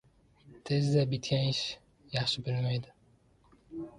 • Tezda bitgan ish yaxshi bo‘lmaydi.